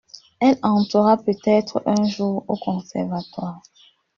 Elle entrera peut-être un jour au conservatoire.